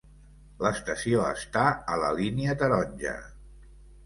L'estació està a la línia taronja.